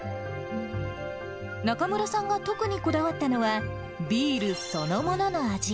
中村さんが特にこだわったのは、ビールそのものの味。